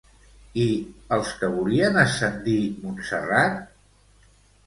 I els que volien ascendir Montserrat?